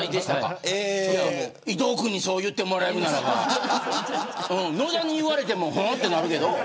伊藤君にそう言ってもらえるのならば野田に言われてもふーんってなるけど。